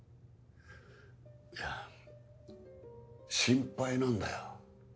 いや心配なんだよ。